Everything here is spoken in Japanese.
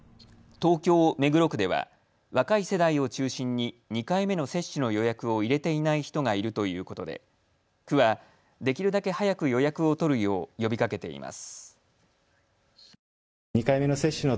東京目黒区では若い世代を中心に２回目の接種の予約を入れていない人がいるということで区はできるだけ早く予約を取るよう呼びかけています。